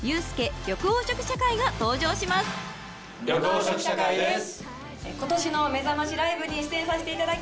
緑黄色社会です。